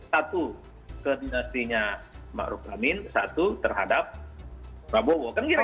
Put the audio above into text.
satu ke dinastinya ma'ruf amin satu terhadap prabowo